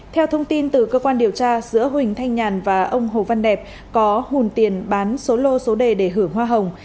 theo thông tin từ cơ quan điều tra giữa huỳnh thanh nhàn và ông hồ văn đẹp có hùn tiền bán số lô số đề để hưởng hoa hồng